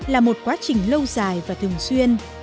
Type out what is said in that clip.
là một quá trình lâu dài và thường xuyên